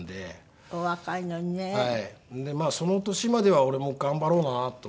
まあその年までは俺も頑張ろうかなと思って。